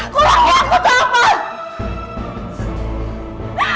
kurangnya aku tuh apa